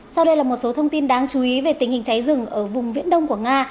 sau đây là một số thông tin đáng chú ý về tình hình cháy rừng ở vùng viễn đông của nga